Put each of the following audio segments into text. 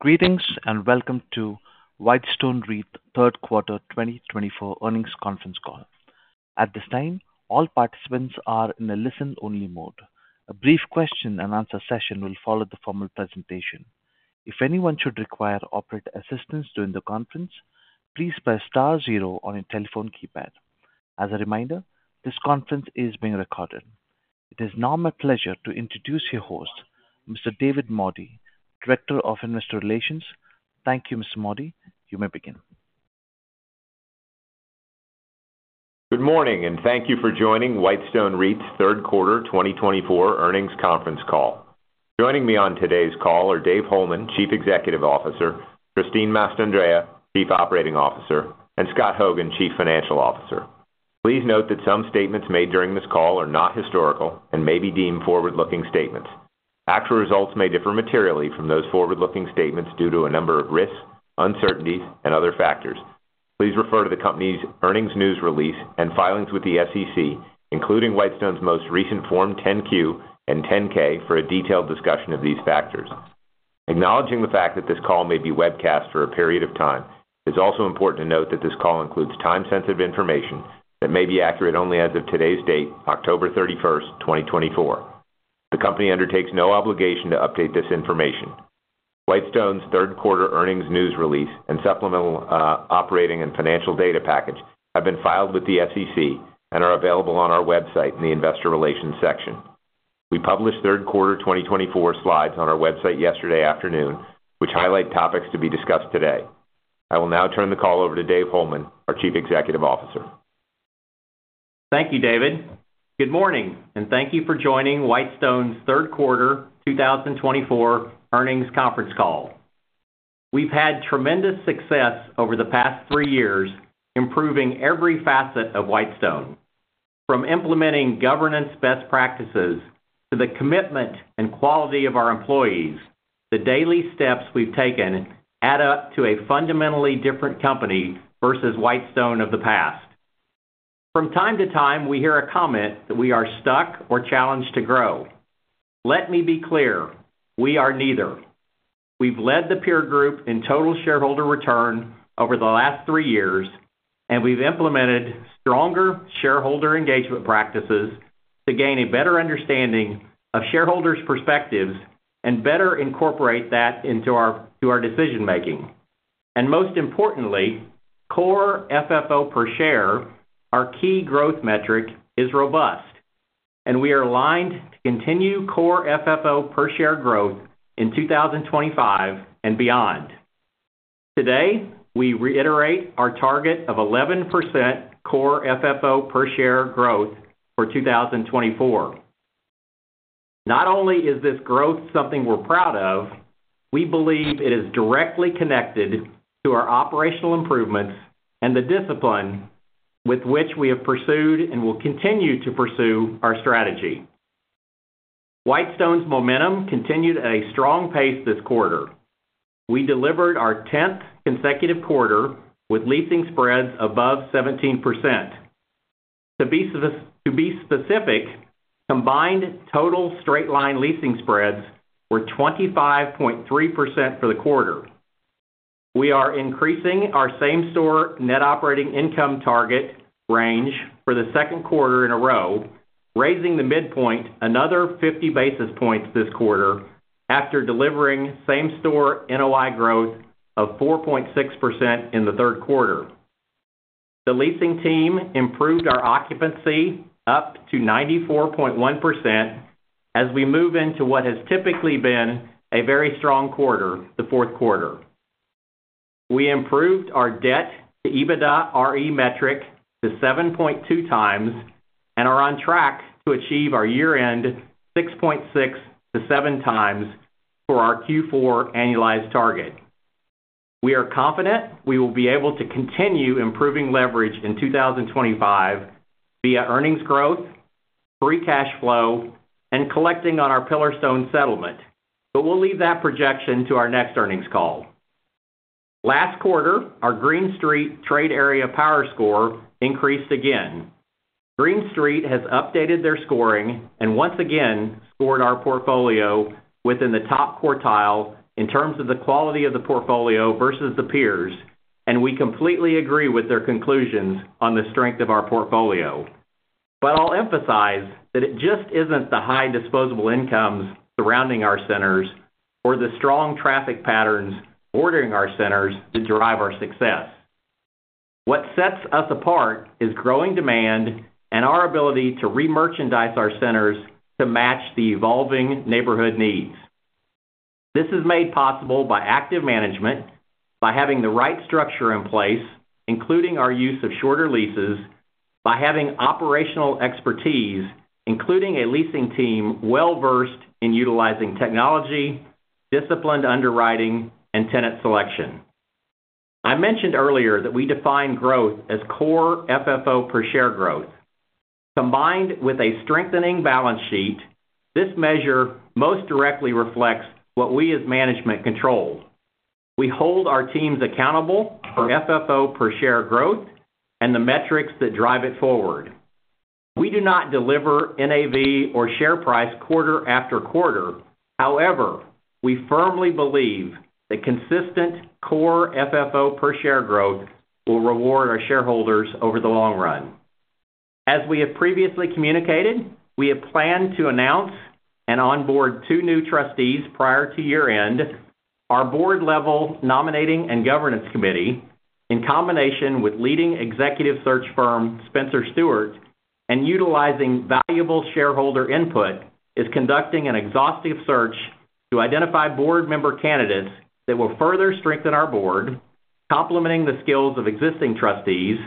Greetings and welcome to Whitestone REIT Q3 2024 earnings conference call. At this time, all participants are in a listen-only mode. A brief question-and-answer session will follow the formal presentation. If anyone should require operator assistance during the conference, please press star zero on your telephone keypad. As a reminder, this conference is being recorded. It is now my pleasure to introduce your host, Mr. David Mordy, Director of Investor Relations. Thank you, Mr. Mordy. You may begin. Good morning, and thank you for joining Whitestone REIT's Q3 2024 earnings conference call. Joining me on today's call are Dave Holeman, Chief Executive Officer, Christine Mastandrea, Chief Operating Officer, and Scott Hogan, Chief Financial Officer. Please note that some statements made during this call are not historical and may be deemed forward-looking statements. Actual results may differ materially from those forward-looking statements due to a number of risks, uncertainties, and other factors. Please refer to the company's earnings news release and filings with the SEC, including Whitestone's most recent Form 10-Q and 10-K, for a detailed discussion of these factors. Acknowledging the fact that this call may be webcast for a period of time, it is also important to note that this call includes time-sensitive information that may be accurate only as of today's date, October 31st, 2024. The company undertakes no obligation to update this information. Whitestone's Q3 earnings news release and supplemental operating and financial data package have been filed with the SEC and are available on our website in the Investor Relations section. We published Q3 2024 slides on our website yesterday afternoon, which highlight topics to be discussed today. I will now turn the call over to Dave Holeman, our Chief Executive Officer. Thank you, David. Good morning, and thank you for joining Whitestone's Q3 2024 earnings conference call. We've had tremendous success over the past three years improving every facet of Whitestone, from implementing governance best practices to the commitment and quality of our employees. The daily steps we've taken add up to a fundamentally different company versus Whitestone of the past. From time to time, we hear a comment that we are stuck or challenged to grow. Let me be clear: we are neither. We've led the peer group in total shareholder return over the last three years, and we've implemented stronger shareholder engagement practices to gain a better understanding of shareholders' perspectives and better incorporate that into our decision-making. And most importantly, Core FFO per share, our key growth metric, is robust, and we are aligned to continue Core FFO per share growth in 2025 and beyond. Today, we reiterate our target of 11% core FFO per share growth for 2024. Not only is this growth something we're proud of, we believe it is directly connected to our operational improvements and the discipline with which we have pursued and will continue to pursue our strategy. Whitestone's momentum continued at a strong pace this quarter. We delivered our 10th consecutive quarter with leasing spreads above 17%. To be specific, combined total straight-line leasing spreads were 25.3% for the quarter. We are increasing our same-store net operating income target range for the Q2 in a row, raising the midpoint another 50 basis points this quarter after delivering same-store NOI growth of 4.6% in the Q3. The leasing team improved our occupancy up to 94.1% as we move into what has typically been a very strong quarter, the Q4. We improved our Debt-to-EBITDAre metric to 7.2 times and are on track to achieve our year-end 6.6-7 times for our Q4 annualized target. We are confident we will be able to continue improving leverage in 2025 via earnings growth, free cash flow, and collecting on our Pillarstone settlement, but we'll leave that projection to our next earnings call. Last quarter, our Green Street trade area power score increased again. Green Street has updated their scoring and once again scored our portfolio within the top quartile in terms of the quality of the portfolio versus the peers, and we completely agree with their conclusions on the strength of our portfolio, but I'll emphasize that it just isn't the high disposable incomes surrounding our centers or the strong traffic patterns bordering our centers that drive our success. What sets us apart is growing demand and our ability to re-merchandise our centers to match the evolving neighborhood needs. This is made possible by active management, by having the right structure in place, including our use of shorter leases, by having operational expertise, including a leasing team well-versed in utilizing technology, disciplined underwriting, and tenant selection. I mentioned earlier that we define growth as core FFO per share growth. Combined with a strengthening balance sheet, this measure most directly reflects what we as management control. We hold our teams accountable for FFO per share growth and the metrics that drive it forward. We do not deliver NAV or share price quarter after quarter. However, we firmly believe that consistent core FFO per share growth will reward our shareholders over the long run. As we have previously communicated, we have planned to announce and onboard two new trustees prior to year-end. Our board-level nominating and governance committee, in combination with leading executive search firm Spencer Stuart and utilizing valuable shareholder input, is conducting an exhaustive search to identify board member candidates that will further strengthen our board, complementing the skills of existing trustees,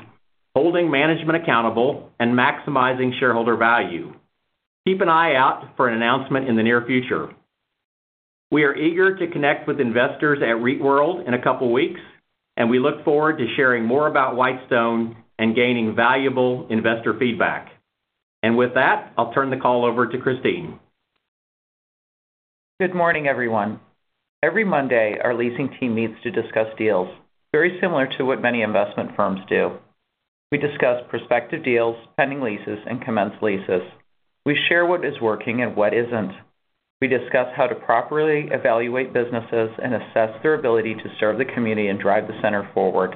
holding management accountable, and maximizing shareholder value. Keep an eye out for an announcement in the near future. We are eager to connect with investors at REITworld in a couple of weeks, and we look forward to sharing more about Whitestone and gaining valuable investor feedback. And with that, I'll turn the call over to Christine. Good morning, everyone. Every Monday, our leasing team meets to discuss deals, very similar to what many investment firms do. We discuss prospective deals, pending leases, and commenced leases. We share what is working and what isn't. We discuss how to properly evaluate businesses and assess their ability to serve the community and drive the center forward.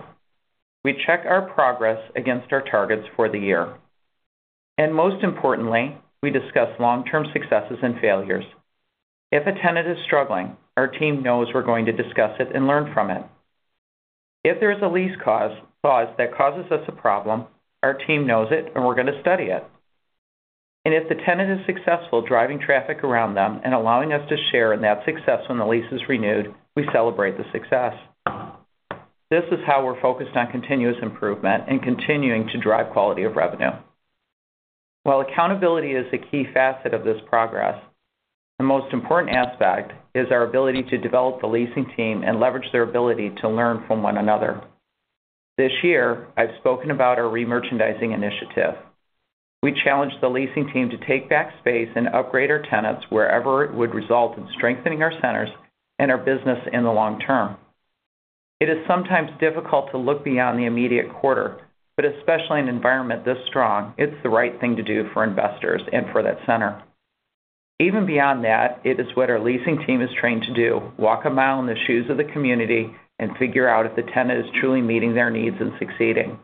We check our progress against our targets for the year. And most importantly, we discuss long-term successes and failures. If a tenant is struggling, our team knows we're going to discuss it and learn from it. If there is a lease clause that causes us a problem, our team knows it, and we're going to study it. And if the tenant is successful driving traffic around them and allowing us to share in that success when the lease is renewed, we celebrate the success. This is how we're focused on continuous improvement and continuing to drive quality of revenue. While accountability is a key facet of this progress, the most important aspect is our ability to develop the leasing team and leverage their ability to learn from one another. This year, I've spoken about our re-merchandising initiative. We challenged the leasing team to take back space and upgrade our tenants wherever it would result in strengthening our centers and our business in the long term. It is sometimes difficult to look beyond the immediate quarter, but especially in an environment this strong, it's the right thing to do for investors and for that center. Even beyond that, it is what our leasing team is trained to do: walk a mile in the shoes of the community and figure out if the tenant is truly meeting their needs and succeeding.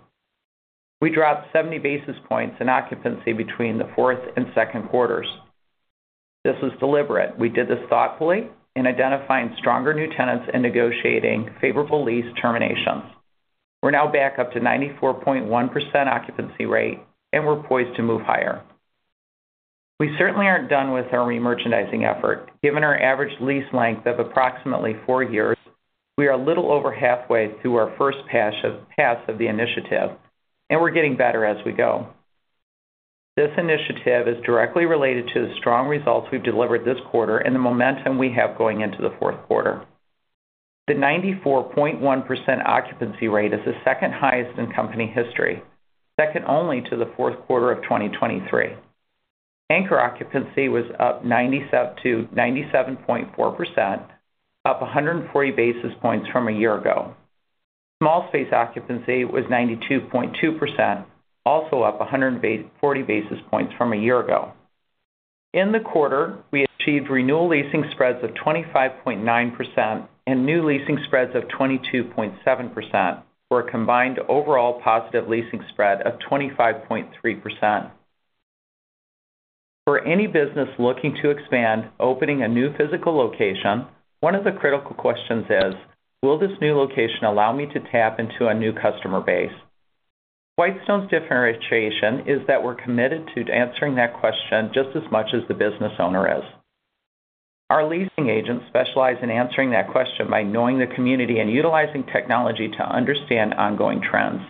We dropped 70 basis points in occupancy between the fourth and Q2. This was deliberate. We did this thoughtfully in identifying stronger new tenants and negotiating favorable lease terminations. We're now back up to 94.1% occupancy rate, and we're poised to move higher. We certainly aren't done with our re-merchandising effort. Given our average lease length of approximately four years, we are a little over halfway through our first pass of the initiative, and we're getting better as we go. This initiative is directly related to the strong results we've delivered this quarter and the momentum we have going into the Q4. The 94.1% occupancy rate is the second highest in company history, second only to the Q4 of 2023. Anchor occupancy was up to 97.4%, up 140 basis points from a year ago. Small space occupancy was 92.2%, also up 140 basis points from a year ago. In the quarter, we achieved renewal leasing spreads of 25.9% and new leasing spreads of 22.7% for a combined overall positive leasing spread of 25.3%. For any business looking to expand, opening a new physical location, one of the critical questions is, "Will this new location allow me to tap into a new customer base?" Whitestone's differentiation is that we're committed to answering that question just as much as the business owner is. Our leasing agents specialize in answering that question by knowing the community and utilizing technology to understand ongoing trends.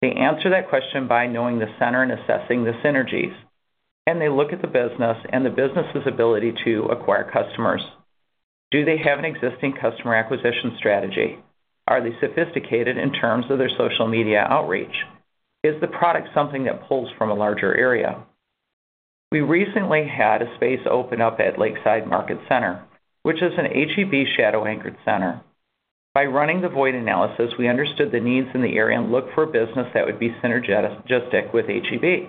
They answer that question by knowing the center and assessing the synergies, and they look at the business and the business's ability to acquire customers. Do they have an existing customer acquisition strategy? Are they sophisticated in terms of their social media outreach? Is the product something that pulls from a larger area? We recently had a space open up at Lakeside Market Center, which is an H-E-B shadow-anchored center. By running the void analysis, we understood the needs in the area and looked for a business that would be synergistic with H-E-B.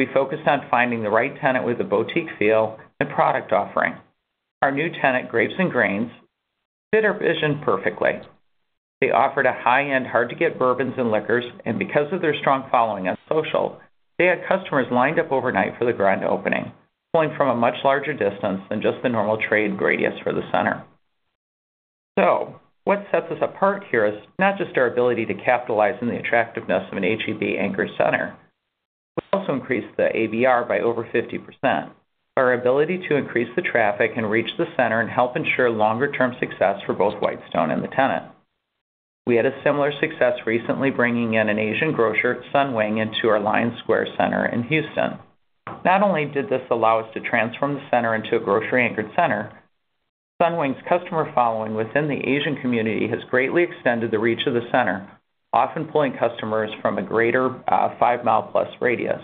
We focused on finding the right tenant with a boutique feel and product offering. Our new tenant, Grapes & Grains, fit our vision perfectly. They offered a high-end, hard-to-get bourbons and liquors, and because of their strong following on social, they had customers lined up overnight for the grand opening, pulling from a much larger distance than just the normal trade radius for the center. So what sets us apart here is not just our ability to capitalize on the attractiveness of an H-E-B anchored center. We also increased the ABR by over 50%, our ability to increase the traffic and reach the center and help ensure longer-term success for both Whitestone and the tenant. We had a similar success recently bringing in an Asian grocer, Sunwing, into our Lion Square in Houston. Not only did this allow us to transform the center into a grocery-anchored center, Sunwing's customer following within the Asian community has greatly extended the reach of the center, often pulling customers from a greater five-mile-plus radius.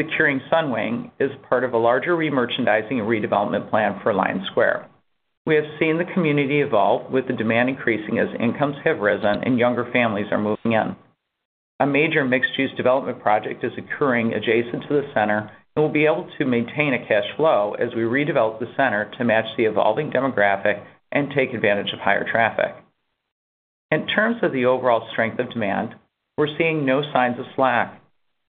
Securing Sunwing is part of a larger re-merchandising and redevelopment plan for Lion Square. We have seen the community evolve with the demand increasing as incomes have risen and younger families are moving in. A major mixed-use development project is occurring adjacent to the center and will be able to maintain a cash flow as we redevelop the center to match the evolving demographic and take advantage of higher traffic. In terms of the overall strength of demand, we're seeing no signs of slack.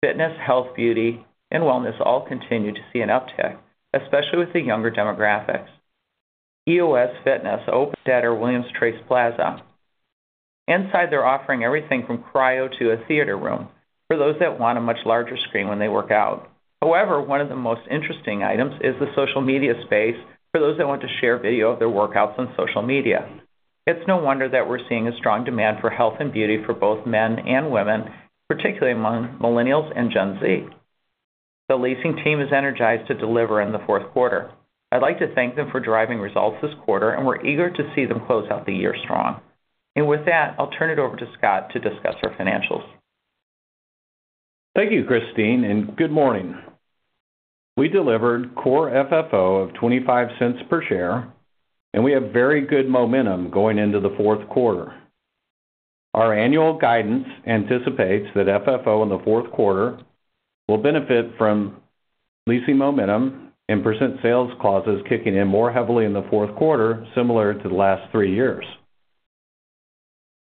Fitness, health, beauty, and wellness all continue to see an uptick, especially with the younger demographics. EoS Fitness opened at our Williams Trace Plaza. Inside, they're offering everything from cryo to a theater room for those that want a much larger screen when they work out. However, one of the most interesting items is the social media space for those that want to share video of their workouts on social media. It's no wonder that we're seeing a strong demand for health and beauty for both men and women, particularly among millennials and Gen Z. The leasing team is energized to deliver in the Q4. I'd like to thank them for driving results this quarter, and we're eager to see them close out the year strong. And with that, I'll turn it over to Scott to discuss our financials. Thank you, Christine, and good morning. We delivered core FFO of $0.25 per share, and we have very good momentum going into the Q4. Our annual guidance anticipates that FFO in the Q4 will benefit from leasing momentum and percent sales clauses kicking in more heavily in the Q4, similar to the last three years.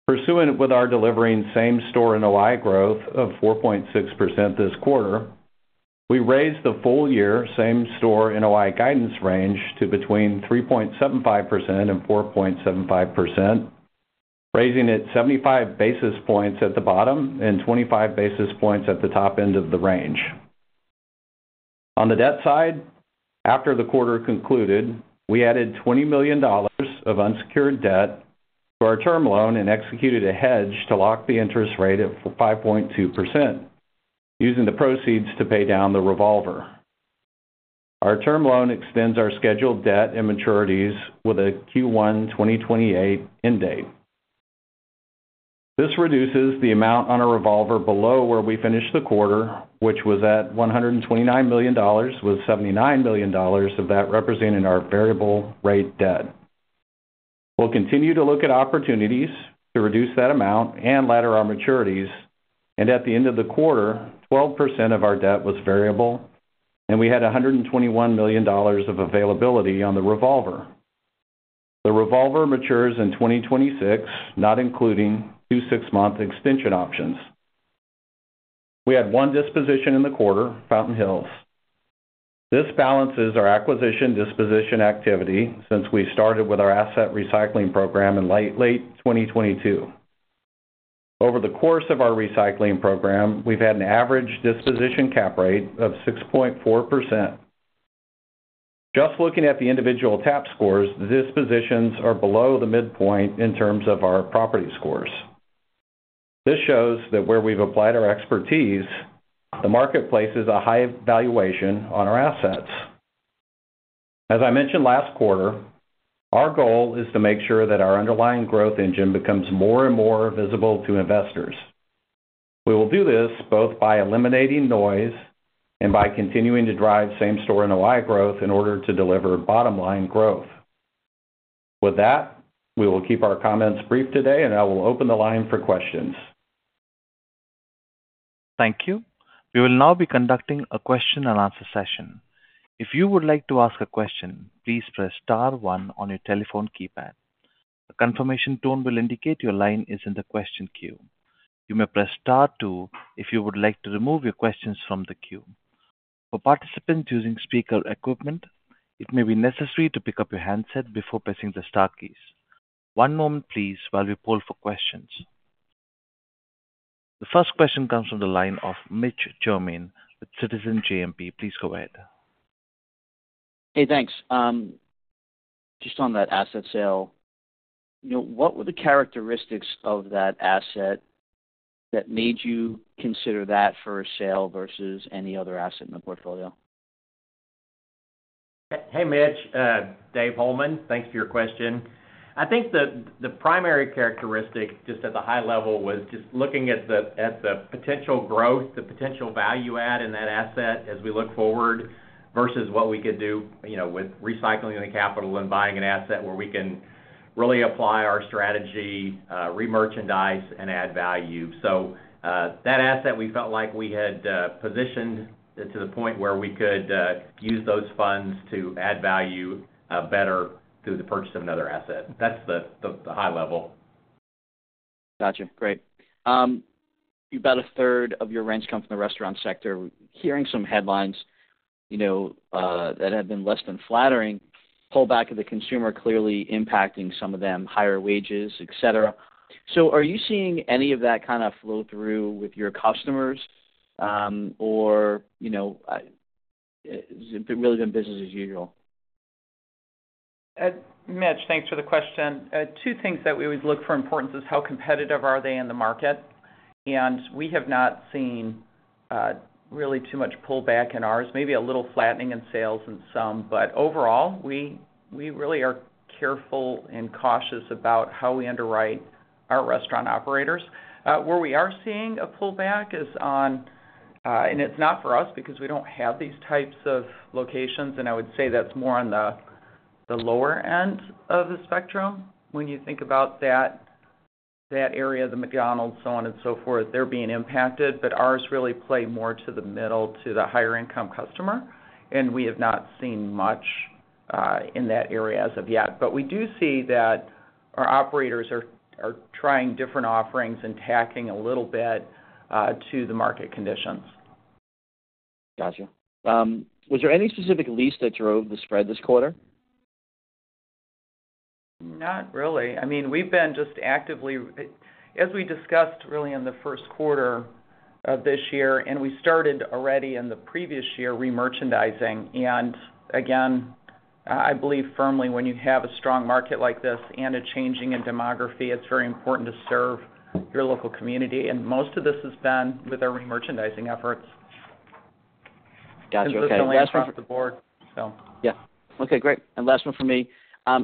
Pursuant with our delivering same-store NOI growth of 4.6% this quarter, we raised the full-year same-store NOI guidance range to between 3.75% and 4.75%, raising it 75 basis points at the bottom and 25 basis points at the top end of the range. On the debt side, after the quarter concluded, we added $20 million of unsecured debt to our term loan and executed a hedge to lock the interest rate at 5.2%, using the proceeds to pay down the revolver. Our term loan extends our scheduled debt and maturities with a Q1 2028 end date. This reduces the amount on a revolver below where we finished the quarter, which was at $129 million, with $79 million of that representing our variable-rate debt. We'll continue to look at opportunities to reduce that amount and ladder our maturities, and at the end of the quarter, 12% of our debt was variable, and we had $121 million of availability on the revolver. The revolver matures in 2026, not including two six-month extension options. We had one disposition in the quarter, Fountain Hills. This balances our acquisition disposition activity since we started with our asset recycling program in late 2022. Over the course of our recycling program, we've had an average disposition cap rate of 6.4%. Just looking at the individual tap scores, the dispositions are below the midpoint in terms of our property scores. This shows that where we've applied our expertise, the market places a high valuation on our assets. As I mentioned last quarter, our goal is to make sure that our underlying growth engine becomes more and more visible to investors. We will do this both by eliminating noise and by continuing to drive same-store NOI growth in order to deliver bottom-line growth. With that, we will keep our comments brief today, and I will open the line for questions. Thank you. We will now be conducting a question-and-answer session. If you would like to ask a question, please press Star 1 on your telephone keypad. A confirmation tone will indicate your line is in the question queue. You may press Star 2 if you would like to remove your questions from the queue. For participants using speaker equipment, it may be necessary to pick up your handset before pressing the star keys. One moment, please, while we poll for questions. The first question comes from the line of Mitch Germain with Citizens JMP. Please go ahead. Hey, thanks. Just on that asset sale, what were the characteristics of that asset that made you consider that for a sale versus any other asset in the portfolio? Hey, Mitch. Dave Holeman, thanks for your question. I think the primary characteristic, just at the high level, was just looking at the potential growth, the potential value-add in that asset as we look forward versus what we could do with recycling the capital and buying an asset where we can really apply our strategy, re-merchandise, and add value. So that asset, we felt like we had positioned to the point where we could use those funds to add value better through the purchase of another asset. That's the high level. Gotcha. Great. You've got a third of your rent come from the restaurant sector. Hearing some headlines that have been less than flattering, pullback of the consumer clearly impacting some of them, higher wages, etc. So are you seeing any of that kind of flow through with your customers, or has it really been business as usual? Mitch, thanks for the question. Two things that we always look for importance is how competitive are they in the market, and we have not seen really too much pullback in ours, maybe a little flattening in sales in some, but overall, we really are careful and cautious about how we underwrite our restaurant operators. Where we are seeing a pullback is on, and it's not for us because we don't have these types of locations, and I would say that's more on the lower end of the spectrum. When you think about that area, the McDonald's, so on and so forth, they're being impacted, but ours really play more to the middle, to the higher-income customer, and we have not seen much in that area as of yet, but we do see that our operators are trying different offerings and tacking a little bit to the market conditions. Gotcha. Was there any specific lease that drove the spread this quarter? Not really. I mean, we've been just actively, as we discussed really in the Q1 of this year, and we started already in the previous year re-merchandising. And again, I believe firmly when you have a strong market like this and a changing demography, it's very important to serve your local community. And most of this has been with our re-merchandising efforts. Gotcha. Okay. Last one for the board, so. Yeah. Okay. Great. And last one for me.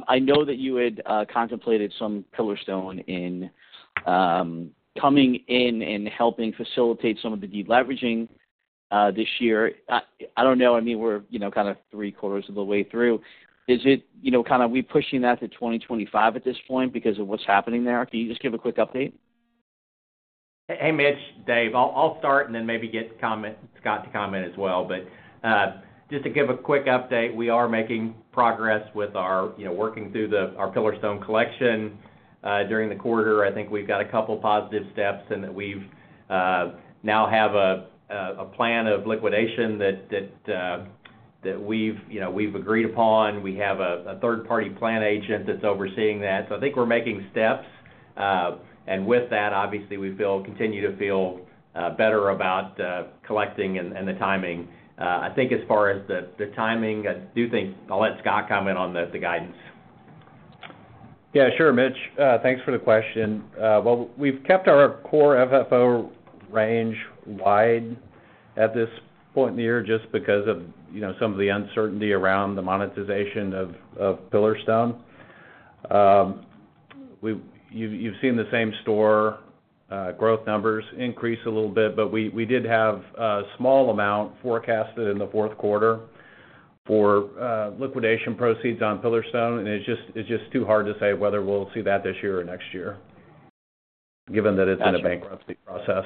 I know that you had contemplated some Pillarstone in coming in and helping facilitate some of the de-leveraging this year. I don't know. I mean, we're kind of three quarters of the way through. Is it kind of, are we pushing that to 2025 at this point because of what's happening there? Can you just give a quick update? Hey, Mitch, Dave. I'll start and then maybe get Scott to comment as well. But just to give a quick update, we are making progress with our working through our Pillarstone collection during the quarter. I think we've got a couple of positive steps, and we now have a plan of liquidation that we've agreed upon. We have a third-party plan agent that's overseeing that. So I think we're making steps. And with that, obviously, we continue to feel better about collecting and the timing. I think as far as the timing, I do think I'll let Scott comment on the guidance. Yeah, sure, Mitch. Thanks for the question. Well, we've kept our Core FFO range wide at this point in the year just because of some of the uncertainty around the monetization of Pillarstone. You've seen the same store growth numbers increase a little bit, but we did have a small amount forecasted in the Q4 for liquidation proceeds on Pillarstone. And it's just too hard to say whether we'll see that this year or next year, given that it's in a bankruptcy process.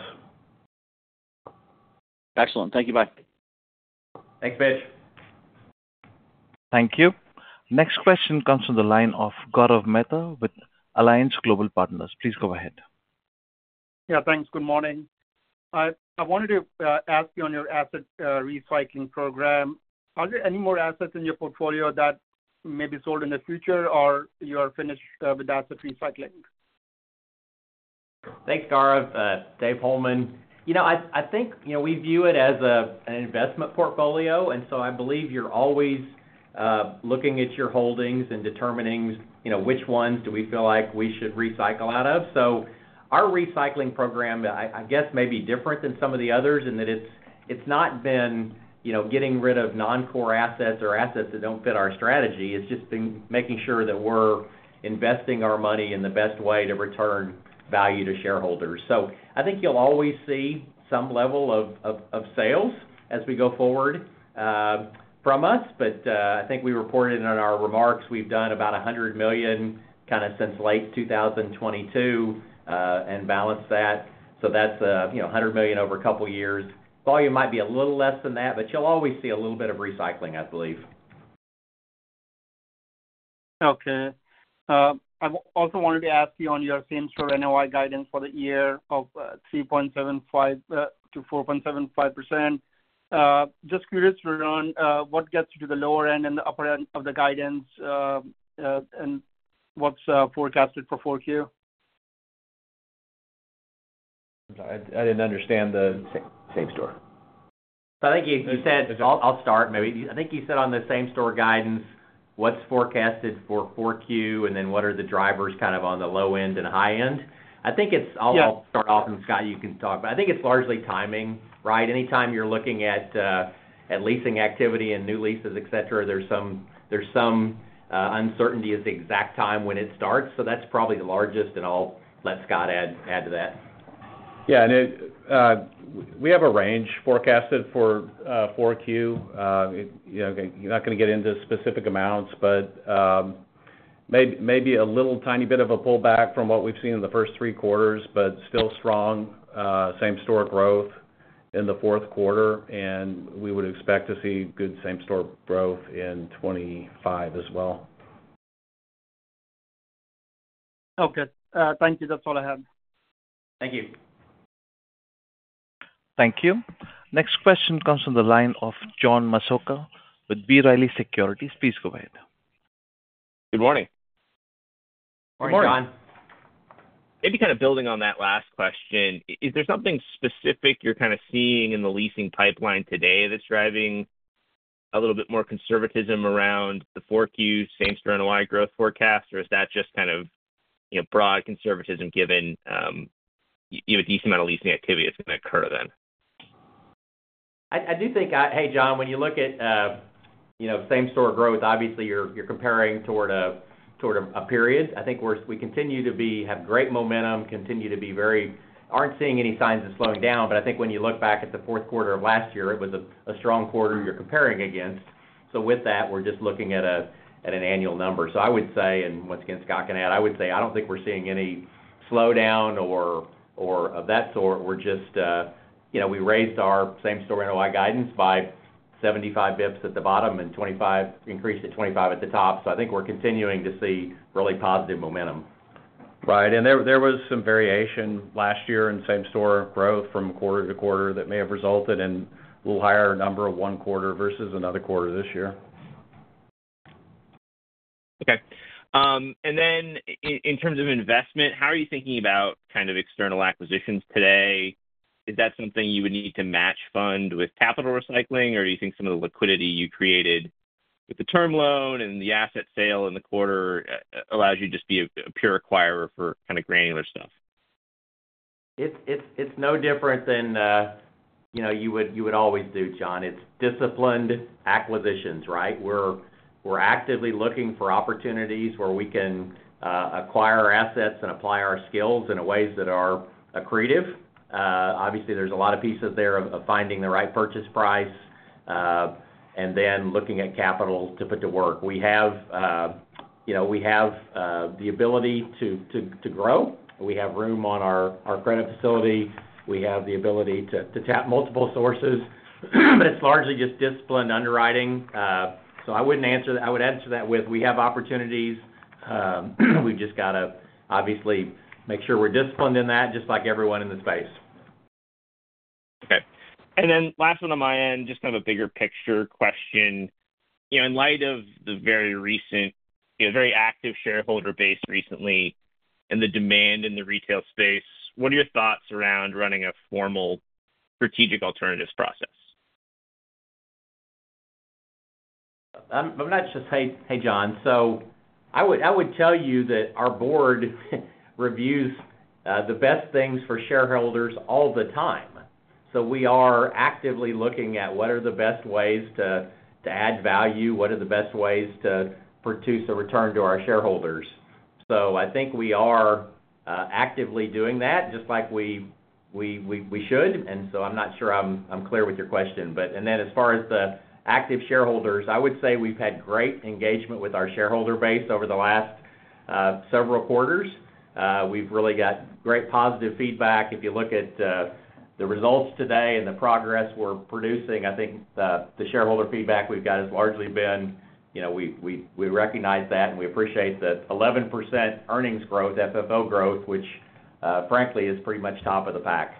Excellent. Thank you. Bye. Thanks, Mitch. Thank you. Next question comes from the line of Gaurav Mehta with Alliance Global Partners. Please go ahead. Yeah, thanks. Good morning. I wanted to ask you on your asset recycling program. Are there any more assets in your portfolio that may be sold in the future, or you are finished with asset recycling? Thanks, Gareth. Dave Holeman. I think we view it as an investment portfolio, and so I believe you're always looking at your holdings and determining which ones do we feel like we should recycle out of. So our recycling program, I guess, may be different than some of the others in that it's not been getting rid of non-core assets or assets that don't fit our strategy. It's just been making sure that we're investing our money in the best way to return value to shareholders. So I think you'll always see some level of sales as we go forward from us. But I think we reported in our remarks we've done about $100 million kind of since late 2022 and balanced that. So that's $100 million over a couple of years. Volume might be a little less than that, but you'll always see a little bit of recycling, I believe. Okay. I also wanted to ask you on your same-store NOI guidance for the year of 3.75%-4.75%. Just curious around what gets you to the lower end and the upper end of the guidance and what's forecasted for 4Q? I didn't understand the same store. I think you said I'll start maybe. I think you said on the same-store guidance, what's forecasted for 4Q, and then what are the drivers kind of on the low end and high end? I think it's I'll start off, and Scott, you can talk. But I think it's largely timing, right? Anytime you're looking at leasing activity and new leases, etc., there's some uncertainty as to the exact time when it starts. So that's probably the largest, and I'll let Scott add to that. Yeah. We have a range forecasted for 4Q. You're not going to get into specific amounts, but maybe a little tiny bit of a pullback from what we've seen in the first three quarters, but still strong same-store growth in the Q4, and we would expect to see good same-store growth in 2025 as well. Okay. Thank you. That's all I have. Thank you. Thank you. Next question comes from the line of John Massocca with B. Riley Securities. Please go ahead. Good morning. Morning, John. Maybe kind of building on that last question, is there something specific you're kind of seeing in the leasing pipeline today that's driving a little bit more conservatism around the 4Q same-store NOI growth forecast, or is that just kind of broad conservatism given a decent amount of leasing activity that's going to occur then? I do think, hey, John, when you look at same-store growth, obviously, you're comparing to a period. I think we continue to have great momentum, continue to be very, aren't seeing any signs of slowing down. But I think when you look back at the Q4 of last year, it was a strong quarter you're comparing against. So with that, we're just looking at an annual number. So I would say, and once again, Scott can add, I would say I don't think we're seeing any slowdown or of that sort. We raised our same-store NOI guidance by 75 basis points at the bottom and increased to 25 at the top. So I think we're continuing to see really positive momentum. Right, and there was some variation last year in same-store growth from quarter to quarter that may have resulted in a little higher number of one quarter versus another quarter this year. Okay. And then in terms of investment, how are you thinking about kind of external acquisitions today? Is that something you would need to match fund with capital recycling, or do you think some of the liquidity you created with the term loan and the asset sale in the quarter allows you to just be a pure acquirer for kind of granular stuff? It's no different than you would always do, John. It's disciplined acquisitions, right? We're actively looking for opportunities where we can acquire assets and apply our skills in ways that are accretive. Obviously, there's a lot of pieces there of finding the right purchase price and then looking at capital to put to work. We have the ability to grow. We have room on our credit facility. We have the ability to tap multiple sources. But it's largely just disciplined underwriting, so I would answer that with we have opportunities. We've just got to, obviously, make sure we're disciplined in that, just like everyone in the space. Okay. And then last one on my end, just kind of a bigger picture question. In light of the very active shareholder base recently and the demand in the retail space, what are your thoughts around running a formal strategic alternatives process? I'm not sure. Hey, John. So I would tell you that our board reviews the best things for shareholders all the time. So we are actively looking at what are the best ways to add value, what are the best ways to produce a return to our shareholders. So I think we are actively doing that, just like we should. And so I'm not sure I'm clear with your question. And then as far as the active shareholders, I would say we've had great engagement with our shareholder base over the last several quarters. We've really got great positive feedback. If you look at the results today and the progress we're producing, I think the shareholder feedback we've got has largely been we recognize that, and we appreciate the 11% earnings growth, FFO growth, which, frankly, is pretty much top of the pack.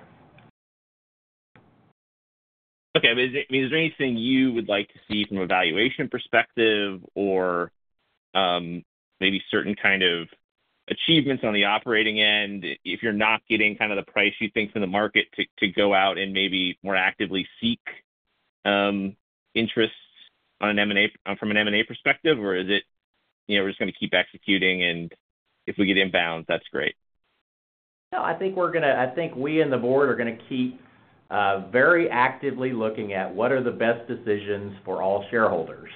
Okay. I mean, is there anything you would like to see from a valuation perspective or maybe certain kind of achievements on the operating end if you're not getting kind of the price you think from the market to go out and maybe more actively seek interests from an M&A perspective, or is it we're just going to keep executing, and if we get inbound, that's great? No, I think we and the board are going to keep very actively looking at what are the best decisions for all shareholders.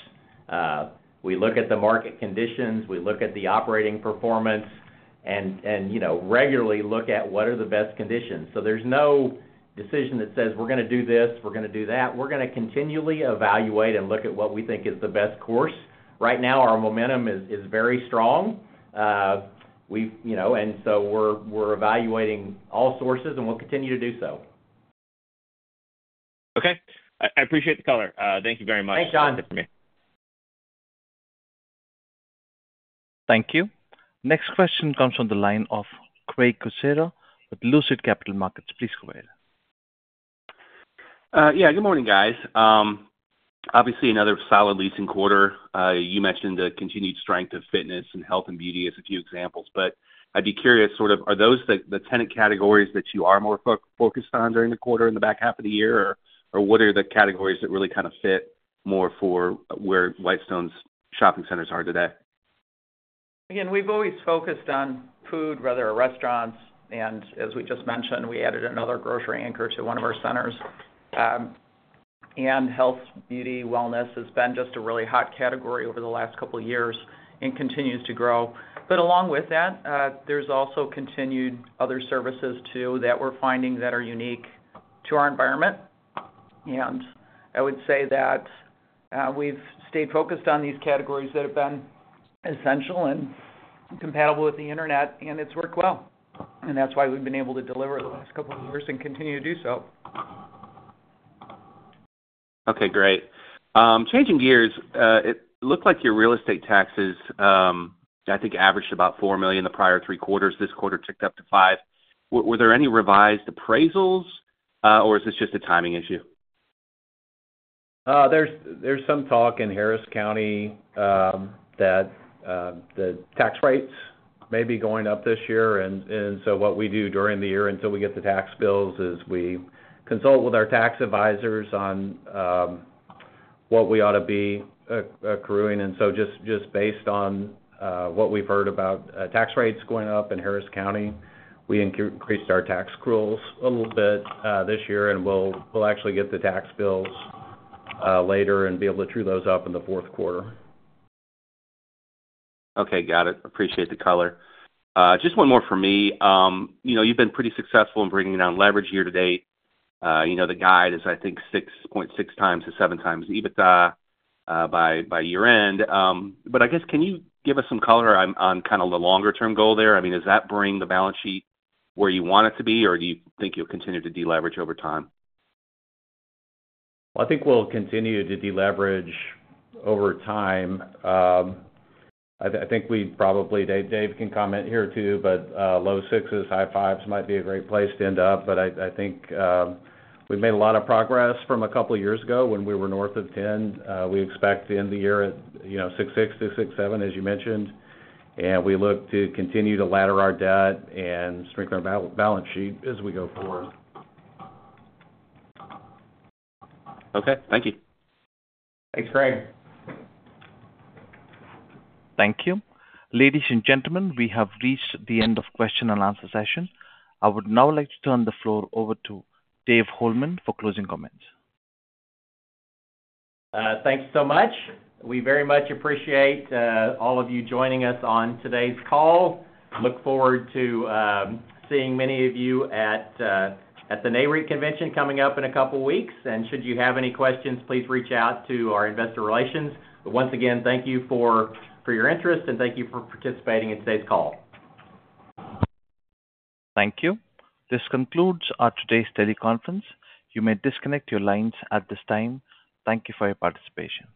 We look at the market conditions. We look at the operating performance and regularly look at what are the best conditions. So there's no decision that says, "We're going to do this. We're going to do that." We're going to continually evaluate and look at what we think is the best course. Right now, our momentum is very strong, and so we're evaluating all sources, and we'll continue to do so. Okay. I appreciate the color. Thank you very much. Thanks, John. Thanks for me. Thank you. Next question comes from the line of Craig Kucera with Lucid Capital Markets. Please go ahead. Yeah. Good morning, guys. Obviously, another solid leasing quarter. You mentioned the continued strength of fitness and health and beauty as a few examples. But I'd be curious, sort of are those the tenant categories that you are more focused on during the quarter in the back half of the year, or what are the categories that really kind of fit more for where Whitestone's shopping centers are today? Again, we've always focused on food rather than restaurants. And as we just mentioned, we added another grocery anchor to one of our centers. And health, beauty, wellness has been just a really hot category over the last couple of years and continues to grow. But along with that, there's also continued other services too that we're finding that are unique to our environment. And I would say that we've stayed focused on these categories that have been essential and compatible with the internet, and it's worked well. And that's why we've been able to deliver the last couple of years and continue to do so. Okay. Great. Changing gears, it looked like your real estate taxes, I think, averaged about $4 million the prior three quarters. This quarter, it ticked up to $5 million. Were there any revised appraisals, or is this just a timing issue? There's some talk in Harris County that the tax rates may be going up this year. And so what we do during the year until we get the tax bills is we consult with our tax advisors on what we ought to be accruing. And so just based on what we've heard about tax rates going up in Harris County, we increased our tax accruals a little bit this year, and we'll actually get the tax bills later and be able to true those up in the Q4. Okay. Got it. Appreciate the color. Just one more for me. You've been pretty successful in bringing down leverage year to date. The guide is, I think, 6.6 times to 7 times EBITDA by year-end. But I guess, can you give us some color on kind of the longer-term goal there? I mean, does that bring the balance sheet where you want it to be, or do you think you'll continue to deleverage over time? I think we'll continue to deleverage over time. I think we probably, Dave can comment here too, but low 6s, high 5s might be a great place to end up. But I think we've made a lot of progress from a couple of years ago when we were north of 10. We expect to end the year at 6.6-6.7, as you mentioned. We look to continue to ladder our debt and strengthen our balance sheet as we go forward. Okay. Thank you. Thanks, Craig. Thank you. Ladies and gentlemen, we have reached the end of the question-and-answer session. I would now like to turn the floor over to Dave Holeman for closing comments. Thanks so much. We very much appreciate all of you joining us on today's call. Look forward to seeing many of you at the Nareit Convention coming up in a couple of weeks. And should you have any questions, please reach out to our investor relations. But once again, thank you for your interest, and thank you for participating in today's call. Thank you. This concludes today's teleconference. You may disconnect your lines at this time. Thank you for your participation.